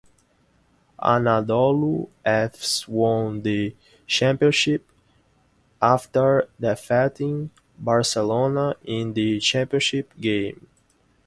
Anadolu Efes won the championship after defeating Barcelona in the championship game.